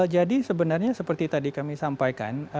jadi sebenarnya seperti tadi kami sampaikan